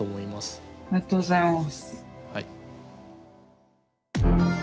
ありがとうございます。